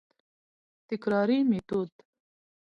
تکراري ميتود: